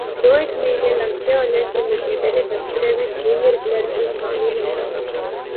دو ہیک مہینے لنگتھے ہولے کہ مجیدے نے دفترے وچ جونیئر کلرکے نی سامی لکھتی